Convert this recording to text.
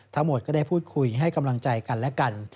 ทั้งหมดก็ได้พูดคุยให้กำลังใจกันและกัน